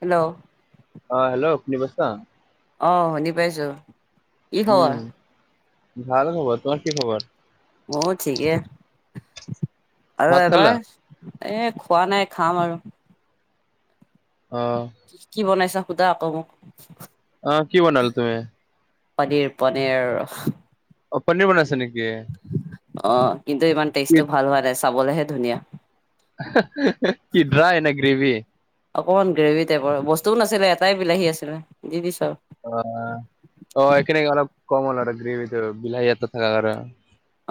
Hello অ' hello শুনিপাইছা। অ' শুনি পাইছো। কি খবৰ উম, ভাল খবৰ। তোমাৰ কি খবৰ? অ' ঠিকেই আৰু ভাত এবাৰ খালা এ খোৱা নাই, খাম আৰু। অ' কি বনাইছা সুধা আকৌ মোক। অ কি বনাল তুমি? পনীৰ পনীৰ। অ' পনীৰ বনাইছা নেকি? অ' কিন্তু ইমান কি টেষ্টটো ভাল হোৱা নাই চাবলেহে ধুনীয়া। কি ড্ৰাই নে গ্ৰেভি? অকণমান গ্ৰেভি টাইপৰ, বস্তুও নাছিলে এটাই বিলাহী আছিলে দি দিছো আৰু। অ', অ' সেখিনি অলপ ক'ম হ'ল আৰু গ্ৰেভি টো বিলাহী এটা থাকা কাৰনে।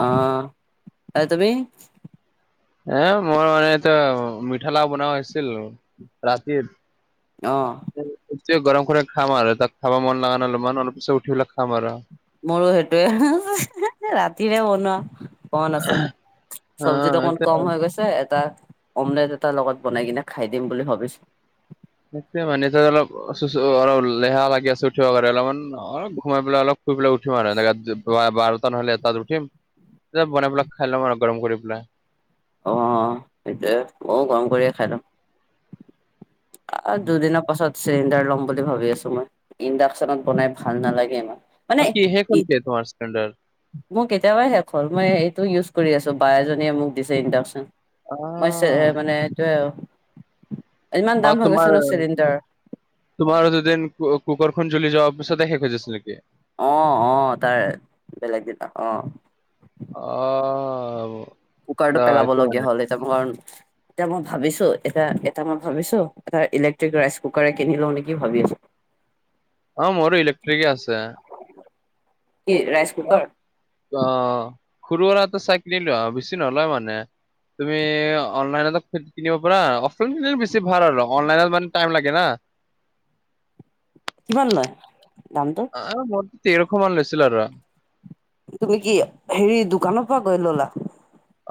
অ'এই তুমি? এ মোৰ মানে এতিয়া মিঠালাও বনোৱা হৈছিল, ৰাতিৰ অহ। গৰম কৰি খাম আৰু তাক খাব মন লাগা নমান অলপিছত উঠিব পেলাই খাম আৰু। মোৰো সেইটোৱে ৰাতিৰে বনোৱা। কমান আছে, অ চব্জিটো অকমান এতিয়া কম হৈ গৈছে। এটা অমলেট এটা লগত বনাই কিনে খাই দিম বুলি ভাবিছো। তে মানে ত অলপ অলপ লেহা লাগি আছে উঠিব কাৰাৰে অলপমান অলপ ঘোমাই পেলাই অলপ শুই পেলাই উঠিম আৰু বাৰটা নহ'লে তাত উঠিম। ত বনাই পেলাই খাই ল'ম আৰু গৰম কৰি পেলাই। অ' সেইটোৱে মই গৰম কৰিয়ে খাই লওঁ। অ' দুদিন পাচত। চিলিণ্ডাৰ ল'ম বুলি ভাবি আছো মই, ইণ্ডাকচনত বনাই ভাল নালাগে ইমান। মানে অ' কি শেষ ই হ'ল নেকি তোমাৰ চিলিণ্ডাৰ? মোৰ কেতিয়াবাই শেষ হ'ল, মই এইটো ইউজ কৰি আছো বা এজনীয়ে মোক দিছে ইণ্ডাকচন। অ'। মই মানে এইটোয়ে আৰু। অ' তোমাৰ তোমাৰো দুদিন কুকাৰখন জ্বলি যোৱাৰ পছতে খুজিছিল নেকি? অ', অ' তাৰে বেলেগ কেইটা অ'। অ'। কুকাৰটো এইটো পেলাবলগীয়া মানে হ'লে, এতিয়া ভ এতিয়া মই ভাবিছো এটা এটা মই ভাবিছো এটা ইলেক্ট্ৰিক ৰাইচ কুকাৰ কিনি লওঁ নেকি ভাবি আছো। [inaudible] অ' মোৰো ইলেক্ট্ৰিকে আছে। কি ৰাইচ কুকাৰ অ' সৰু সুৰা এটা চাই কিনিলোআৰু, বেছি নলয় মানে তুমি অনলাইনত কিনিব পাৰা অ'ফ লাইনত কিনিলে বেছি ভাল আৰু অনলাইনত মানে টাইম লাগে না? কিমান লয় দামটো? অ' মোৰটো তেৰশ মান লৈছিল আৰু। তুমি কি হেৰি দোকানৰ পৰা গৈ ল'লা?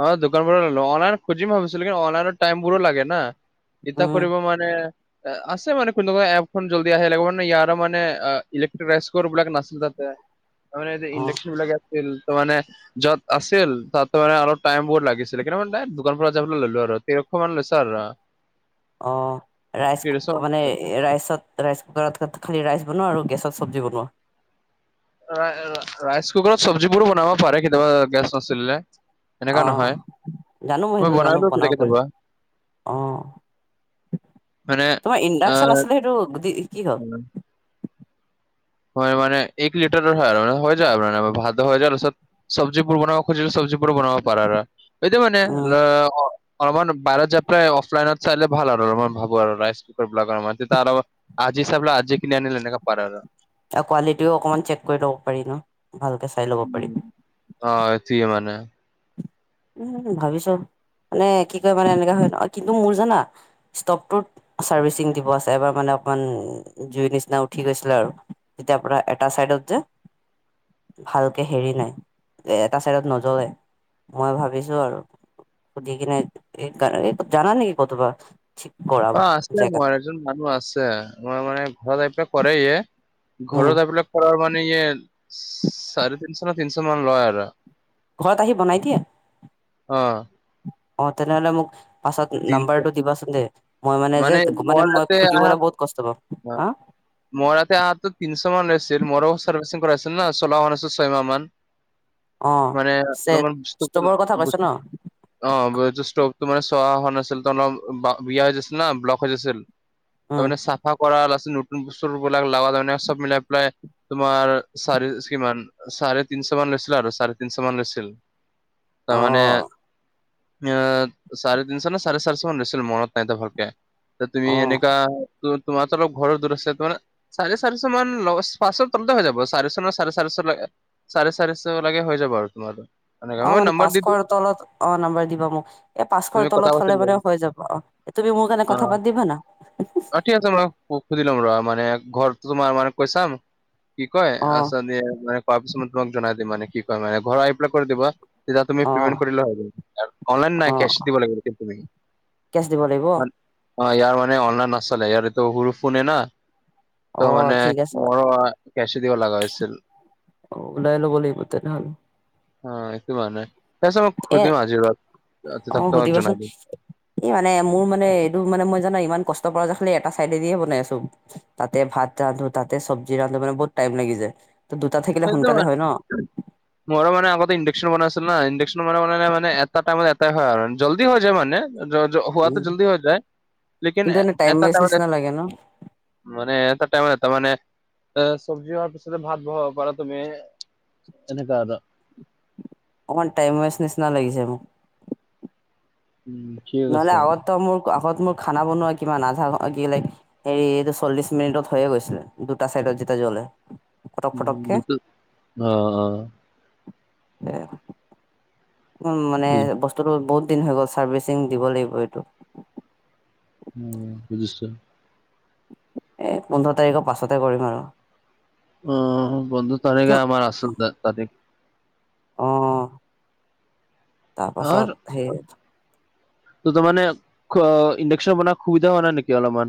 অ' দোকান পৰা ল'লো, অনলাইন খুজিম ভিছিলো কি অনলাইনৰ টাইম বোৰো লাগে না। ইতা উম কৰিব মানে আছে মানে কোনো এপখন জল্দি আহে লাগিব মানে ইয়াৰো মানে ইলেক্টিক ৰাইচ বিলাক নাছিলে তাতে। তাৰ মানে অ ইণ্ডাকচন বিলাক আছিল তাৰ মানে য'ত আছিল তাত মানে অলপ টাইম বহু লাগিছিল, কিন্তু মানে দোকান পৰা যাবলৈ ললো আৰু তেৰশ মান লৈছ আৰু। অঁ ৰাইচ তেৰশ কু মানে ৰাইচত ৰাইচ কুকাৰত খালি ৰাইচ বনোৱা আৰু গেছত চব্জি বনোৱা। ৰা ৰাইচ কুকাৰত চব্জিবোৰো বনাবা পাৰে কেতিয়াবা, গেছ নছলিলে, অ এনেকা নহয় জানো মই সেইটো জানো বনাইালো বনাব কেতিাকে পাৰে যাবা। অ', মানে তোমাৰ ইণ্ডাকচন আহ আছিলে সেইটো দি, কি হ'ল? হয় মানে, এক লিটাৰ হয় আৰু মান হৈ যায় মানে ভাত হৈ যায়। চব্জি বনাব খুজিলে, চব্জি বনাব পাৰা আৰু, এটো মানে উম অলপমান বাহিৰত যায় পেলাই, অফলাইনত চালে ভাল আৰু মই ভাবো আৰু, ৰাইচ কুকাৰ বিলাকৰাৰ, তেতিয়া আৰু আজি চাই পেলাই, আজিয়ে কিনি আনিলে সেনেকা পাৰে আৰু। কোৱালিটিও অকমান চেক কৰি ল'ব পাৰি ন', ভালকে চাই ল'ব পাৰি। উম, অ', সেইটোৱে মানে উম, ভাবিছো, মানে কি কয় মানে এনেককা হয়, কিন্তু মোৰ জানা। ষ্টপটো চাৰ্ভিচিং দিব আছে, এবাৰ মানে অকমান জুইৰ নিচিনা উঠি গৈছিলে আৰু যেতিয়া আপোনাৰ এটা চাইডত যে ভালকে হেৰি নাই, এটা চাইডত নজ্বলে। মই ভাবিছোঁ আৰু, সুধি কিনে এই, জানা নেকি কতোবা ঠিক কৰাব অ', আছে জেগা মোৰ এজন মানুহ আছে, মােৰ মানে ঘৰত আহি কৰে ইয়ে। উম ঘৰত এইবিলাক কৰাৰ মানে, ইয়ে চাৰে তিনশ, তিনশ মান লয় আৰু। ঘৰত আহি বনাই দিয়ে? অ'। অ' তেনেহ'লে মোক পাছত তিন নাম্বাৰটো দিবাচোন দেই, মই মানে যে মানে মোৰ মই তাতে খুলিবলৈ বহুত কষ্ট পাম। হা? মই ততে আহো তিনিশ মান আছিল, মোৰ চাৰ্ভিচিং কৰাইছিল ন' চলাই আছিলো ছয় মাহ মান। মানে অ', অলপমান বস্তু ষ্টবৰ কথা কৈছ ন'? অ', ষ্টভটো মানে চোৱা হোৱা নাছিল ত', অলপ বিয়া হৈ গৈছিল ন', ব্লক হৈ গৈছিল। উম তাৰমানে চাফা কৰা, নতুন বস্তুবিলাক লগা চব মিলাই পেলাই তোমাৰ চাৰি, কিমান চাৰে তিনশ মান লৈছিল আৰু, চাৰে তিনশ মান লৈছিল। অ তাৰমনে, অ' চাৰে তিনশ নে চাৰে চাৰিশ মান লৈছিল মনত নাই ভালকে, ত' তুমি অ এনেকা তোমাৰটো ঘৰ দূৰত আছে, ত' মানে চাৰে চাৰিশ মান, পাঁচশ তলতে হৈ যাব চাৰিশ নে, চাৰে চাৰিশ চাৰে চাৰিশ লাগে হৈ যাব আৰু তোমাৰ। এনেকা অ', মই মানে নম্বৰ দি দিম পাঁচশৰ তলত, অ', নাম্বাৰ দিবা মোক, এ, পাঁচশৰ তুমি কথা তলত হ পাতি ল মানে হৈ যাব, অ', তুমি মোৰ কাৰণে অ কথা পাতি দিবা না। অ', ঠিক আছে মই, সুধি ল'ম, মানে ঘৰটো তোমাৰ মানে কৈ চাম। কি কয়, অ আ, কোৱাৰ পিছত মই তোমাক জনাই দিম মানে কি কয়, মানে ঘৰ আহি পেলাই কৰি দিব। তেতিয়া তুমি অ পেমেণ্ট কৰিলে হ'ল, অনলাইন অ নাই কেচ দিব লাগিব। অ', কেচ দিব লাগিব ইয়াৰ মানে অনলাইন নছলে, ইয়াৰ এইটো সৰুফোনে না। অ ত' মানে, ঠিক আছে মোৰো কেচ এ দিব লগা হৈছিল। ওলাই ল'ব লাগিব তেনেহ'লে অ', একো হোৱা নাই, তাৰ পিছত মই এ খুজিম আজি [unintelligible] এই মানে মোৰ মানে, এইটো মানে মই জানো ইমান কষ্ট পায় খালি এটা চাইডেদিহে বনাই আছো। তাতে ভাত ৰান্ধো, তাতে চব্জি ৰান্ধো, মানে বহুত টাইম লাগি যায়। ত দুটা থাকিলে সব সোনকালে [unintelligible] হয় ন। মোৰ মানে আগতে ইডাকচত বনাই আছিলো না, ইডাকচন বনালে মানে, মানে এটা টাইমত এটাই হয় আৰু জল্দি হৈ যায় মানে। হোৱাটো উম জল্দি হৈ যায়, লেকিন কিন্তু এনে টাইম এটা ৱেষ্ট নিচিনা লাগে ন মানে এটা টাইমৰ [unintelligible] তাৰ মাৱে চব্জি হোৱাৰ পিছতহে ভাত বহাওক। [unintelligible] তুমি এনেকা আৰু। অকমান টাইম ৱেছ নিচিনা লাগিছে মোৰ। উম ঠিক নহ'লে আছে আগতে মোৰ, আগত মোৰ খানা বনোৱা কিমান আধা, কি, লা হেৰি এইটো চল্লিশ মিনিটত হৈয়ে গৈছিলে দুটা চাইডত যেতিয়া জ্বলে। ফটক উম, ফটককে অ, অ, উম, মানে বস্তুতটো বহুত দিন হৈ গ'ল চাৰ্ভিচ চিং দিব লাগিব এইটো, উম, বুজিছোঁ এই পোন্ধৰ তাৰিখৰ পাছতে কৰিম আৰু। অ, বন্ধু কি তনেকে আৰ আছিল তাৰিখ অ, তাৰ পাছত আৰু সেই ত মান ইণ্ডকশন বন সুবিধা হোৱা নাই নেকি অলমান,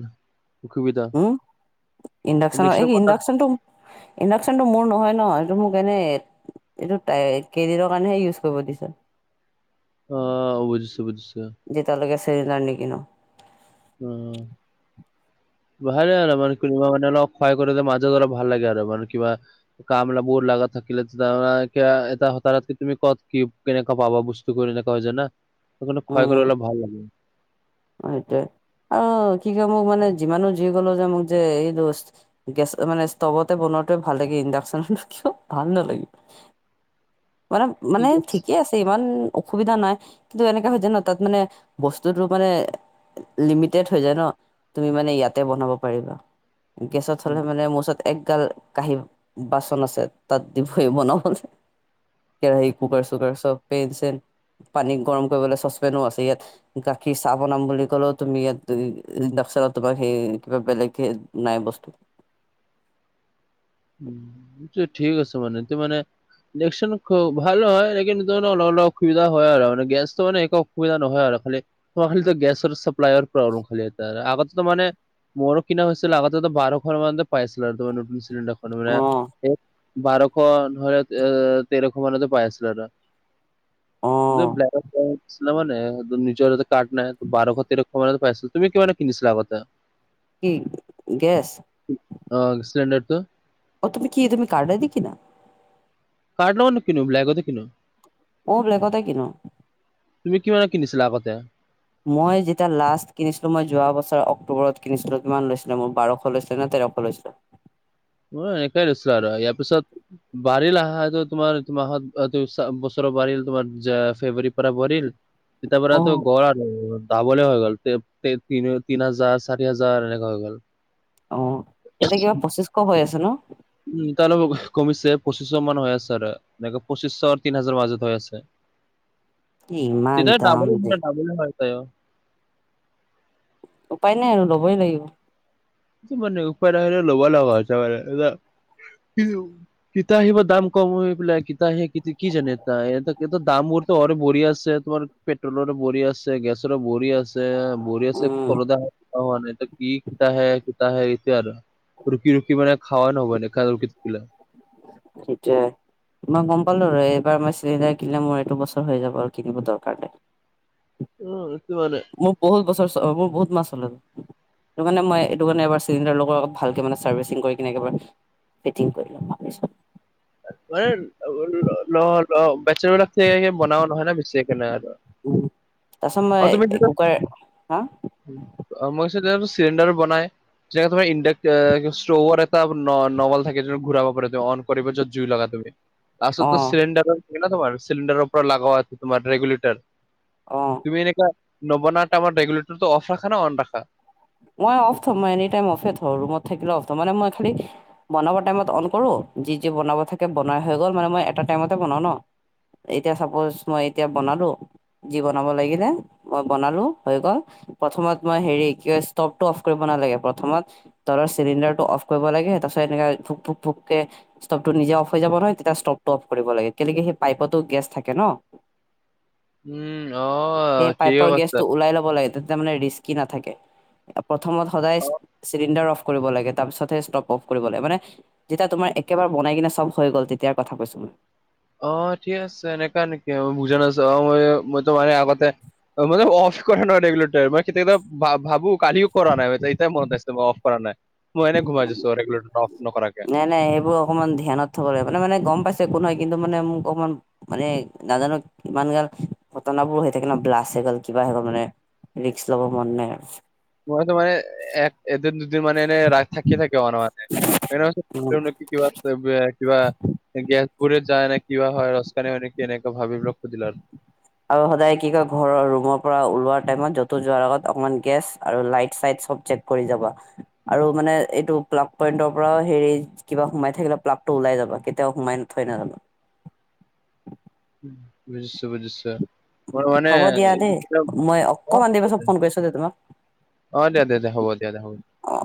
উম, ইণ্ডাকশচন ইণ্ডাকশ্যন এই বনাত ইডাকচন টো ইণ্ডাকশচনতটো মোৰ নহয় ন' এইটো মোক এনেই এইটো তাই কেইদিনৰ কাৰণেহে ইউজ কৰিব দিছে। অ, বুজিছোঁ-বুজিছোঁ। যেতিয়ালৈকে চিলিণ্ডাৰ নিকিনো, উম, ভালে আৰু মানে কিবা মানে অলপ কয় কৰি মাজত অলপ ভাল লাগে আৰু মানে কিবা, কাম বিলাক বোৰ লাগাত থাকিল এটা হতাত কি তুমি ক'ত কি কেনেকা পাবা বস্তু কৰি কেনেককা হৈ যানা সেই কাৰণে খুৱাই গলে ভাল লাগে। সেইটয়ে আৰু কি কয় মোক মানে যিমানো যি কলো যে মোক যে এই দস গেছ মানে ষ্টভতে বনোৱাাতোৱে ভাল লাগে ইণ্ডাকচন কিয় ভাল নালাগে। মানে-মানে ঠিকেই আছে ইমান, অসুবিধা নাই কিন্তু এনেককাে হয় জানা তাত মানে বস্তুতটো মানে, লিমিটেড হৈ যায় ন তুমি মানে ইয়াতে বনাব পাৰিবা। গেছত উম হ'লে মানে মোৰচত একগাল কাঁহী বাচন আছে তাত দিবই বনাবলৈ কেৰাহী কুকাৰ চুকাৰ চব, পেইন চেইন পানী গৰম কৰিবলে ইয়াত গাখীৰ গৰম কৰিবলে চচপেনো আছে। বনাম বুলি ক'লেও তুমি ইয়াত ইডাকচনত তোমাৰ সেই কিবা বেলেগ নাই বস্তু, উম, ঠিক আছে মানে ত মানে দেখচোন খ ভাল হয় নিনন্ত ম অলপ-অলপ অসুবিধা হয় আৰু ম গেছটো মানে একো অসুবিধা নহয় আৰু খালি, খালো গেছৰ চাপ্লাইৰ প্ৰব্লেম খালী এটা আগতেটো মানে মোৰো কিনা হৈছিল লগাগতে বাৰ ঘৰ মান পাইছিল আৰু তোমাৰ নতন চিলিণ্ডাৰ খনে মানে অ বাৰশ নলে এ তেৰশ মানতেো পাই আছিল আৰু। অ ব্লক [unintelligible] ছিল মানে নিজৰ কাৰ্ড নাই বাৰশ তেৰশ মান পাইছিল। তুমি কিমানে কিনিছিলা আগতে? কি? গেছ অ, চিলিণ্ডাৰটো। অ, তুমি কি তুমি কাৰ্ড দি কিনা? কাৰ্ড লগামান ন কিনো ব্লোককতো কিনো ময়ো ব্লেগতে কিনো। তুমি কিমানত কিনিছিলা আগতে? মই যেতিয়া লাষ্ট কিনিছিলো মই যোৱা বছৰ অক্টোবৰত কিনিছিলো কিমান লৈছিলে মোৰ বাৰশ লৈছিলে নে তেৰশ লৈছিলে? মোৰো এনেকোৱাই লৈছিলে আৰু এয়াৰ পিছত বাাৰিল আহাটো তোমাৰ মাহত বছৰ বাঢ়িল তোমাৰ ফেব্ৰুৱাৰীৰ পৰা বাঢিল। [inaudible] এটা পৰাতো [unintelligible] দাবলে হৈ গ'ল তিনি হাজাৰ চাৰি হাজাৰ এনেকা হৈ গ'ল। অ', এতিয়া কিবা পঁচিশশ হৈ আছে ন'? উম, এতিয়া অলপ কমিছে পঁচিছশ মান হৈ আছে আৰু এনেকে পঁচিছশ আৰু তিনি হাজাৰৰ মাজত হৈ আছে। এই ইমান তেতিয়া দাম ডাবলে যে। [unintelligible] উপায় নাই আৰু ল'বই লাগিব। [unintelligible] ল'ব লগা হৈছে মানে [unintelligible] কিত আহিব দাম কম হৈ পেলাই কিত আহি কি জানে এ দামবোৰতো অৰ বঢ়ি আছে তোমাৰ পেট্ৰলৰো বৰি আছে গেছৰো বৰি আছে। বৰি আছে [unintelligible] উম হোৱা নাই কিতাে শিতাহে এতিয়া আৰু। ৰখি ৰখি মানে খাৱ নবানে [unintelligible] সেইটোৱে। মই গ'ম পালো আৰু এইবাৰ মই চিলিণ্ডাৰ কিনিলে মোৰ এইটো বছৰ হৈ যাব, আৰু কিনিব দৰকাৰ নাই। উ, এটো মানে। মোৰ বহুত বছৰ মোৰ বহুত মাহ চলেটো। সটো কাৰানে মই এইটো কাৰণে, এবাৰ চিলিণ্ডাৰ লগোৱাৰ আগত ভালকে মানে চাৰ্ভিচিং কৰি কিনে একেবাৰ ফিটিং কৰি ল'ম ভাবিছোঁ। মানে [unintelligible] বিলাক বনাও নহয় ন' বেছিকাৰণে আৰু। উম, তাৰপিচত আৰু মই তুমি যিটো একুকাৰ হা? মই কৈছোঁ তেনে চিলিণ্ডাৰও বনাই। যেনে তোমাৰ ইণ্ডাক্ ষ্টোভত এটা নভেল থাকে জোনটো ঘূৰাব পাৰে তে অন কৰিব যদি জুই লগা তুমি অ আছতো চিলিণ্ডাৰ থাকা তোমাৰ চিলিণ্ডাৰৰ পৰা লগোৱা আছে তোমাৰ ৰেগুেলেটাৰ। অ'। তুমি এনে নৱনাৰ টাইমত ৰেগুলেটৰটো অফ ৰাখা না অন ৰাখা? মই অফ থ'ম মই এনি টাইম অফে থওঁ ৰুমত থাকিলেও অফ থ'ম মানে মই খালি বনাব টাইমত অন কৰো যি যি, বনাব থাকে বনাই হৈ গ'ল মানে মই এটা টাইমতে বনাওঁ ন'। এতিয়া চাপ'জ মই এতিয়া বনালো। যি, বনাব লাগিলে মই বনালো হৈ গ'ল, প্ৰথমত মই হেৰি ষ্টিভটো অফ কৰিব নালাগে, প্ৰথমত তলৰ চিলিণ্ডাৰটো অফ কৰিব লাগে তাৰপিছত এনেকে ফুক ফুক ফুকে ষ্টভটো নিজে অফ হৈ যাব নহয়, তেতিয়া ষ্টভটো অফ কৰিব লাগে কেলেকি সেই পাইপতো গেছ থাকে ন'। উম অ সেই ঠিকে পাইপৰ কৈছা গেছটো ওলাই ল'ব লাগে তেতিয়া মানে ৰিস্কি নাথাকে। প্ৰথমত সদায় অ চিলিণ্ডাৰ অফ কৰিব লাগে, তাৰপিছতহে ষ্টপ অফ কৰিব লাগে মানে যেতিয়া তোমাৰ একোৰে বনাই কিনে চব হৈ গ'ল তেতিয়াৰ কথা কৈছো মই। অ', ঠিক আছে এনেকা নেকি ম বুজা নাছো অ', মই মইটো মানে আগতে মানে অফ কৰা নাই ৰেগুলাৰটাৰ মই কেতিয়াবা ভাবোঁ। কালিও কৰা নাই এতিয়া মনত আছে মই অ'ফ কৰা নাই মই এনে ঘুমাইছো ৰেগুলেতৰটো অ'ফ নকৰাকে। নাই নাই সেইবোৰ অকণমান ধ্যানত থ'ব লাগিব, মানে মানে গ'ম পাইছে কোন হয়, কিন্তু মানে মোক অকণমান মানে নাজানো ইমান গাল ঘটনাবোৰ হৈ থাকে ন' ব্লাছ হৈ গ'ল কিবা হৈ গ'ল মানে ৰিক্স লব মন নাই আৰু। মইতো মানে এক এদিন দুদিন মানে এনেই ৰা থাকি থাকে মান মানে এনে উম [unintelligible] পুুৰত যায় না কিবা হয়, ৰসকানেক এনেকে ভাবিব ৰ খুজিলাৰ। আৰু সদায় কি কয় ঘৰৰ ৰুমৰ পৰা ওলোৱা টাইমত য'তো যোৱাৰ আগত অকমান গেছ আৰু লাইট চাইট চব চেক কৰি যাবা, আৰু মানে এইটো প্লাগ পইন্টৰ পৰা হেৰি কিবা সোমাই থাকিলে, প্লাগটো ওলাই যাবা কেতিয়াও সোমাই থৈ নাজাবা। বুজিছো, বুজিছো। মই মানে, হ'ব দিয়া এই দেই মই অকমান দেৰি পাছত [unintelligible] ফোন কৰিছো দেই তোমাক অ', দে, হ'ব দে হ'ব। অ